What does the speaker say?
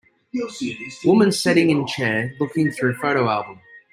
Woman setting in chair looking threw photo album.